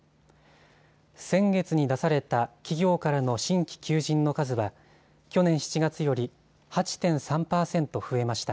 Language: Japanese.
先月に出された企業からの新規求人の数は去年７月より８．３％増えました。